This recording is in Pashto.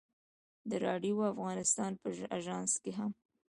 د راډیو افغانستان په اژانس کې هم.